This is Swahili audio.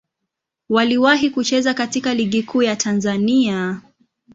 Waliwahi kucheza katika Ligi Kuu ya Tanzania.